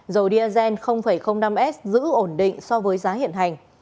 dầu diesel năm s giữ ổn định so với giá hiện hành